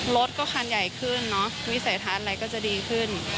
รถก็คันใหญ่ขึ้นเนอะวิสัยทัศน์อะไรก็จะดีขึ้น